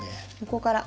ここから。